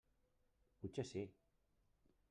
Potser sí!